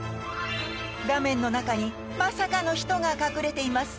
画面の中にまさかの人が隠れています